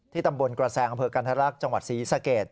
ที่ตำบวนกวาแซงไอเผือกันทรลักษณ์จังหวัดศรีสเกต